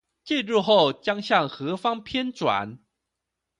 進入後將向何方偏轉？